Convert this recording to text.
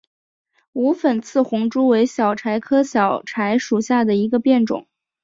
无粉刺红珠为小檗科小檗属下的一个变种。